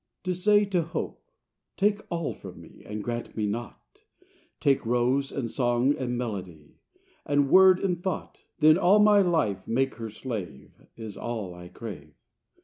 II To say to Hope, Take all from me, And grant me naught: Take rose, and song, and melody, And word and thought: Then all my life make me her slave, Is all I crave.